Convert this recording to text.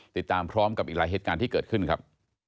ติดตามพร้อมกับอีกหลายเหตุการณ์ที่เกิดขึ้นครับ